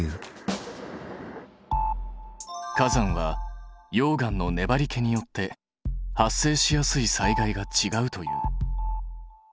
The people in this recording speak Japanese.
火山は溶岩のねばりけによって発生しやすい災害がちがうという。